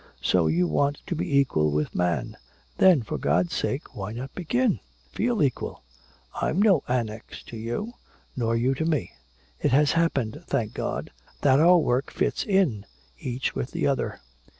So you want to be equal with man! Then, for God's sake, why not begin? Feel equal! I'm no annex to you, nor you to me! It has happened, thank God, that our work fits in each with the other!"